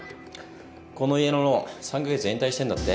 この家のローン３カ月延滞してんだって？